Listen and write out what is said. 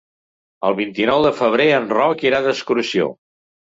El vint-i-nou de febrer en Roc irà d'excursió.